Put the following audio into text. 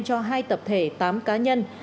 cho hai tập thể tám cá nhân